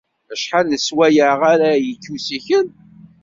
Acḥal n sswayeɛ ara yekk usikel?